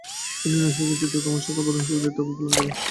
তিনি নৈসর্গিক চিত্রকর্ম শাখার প্রধান হিসেবে দায়িত্ব পালন করেন।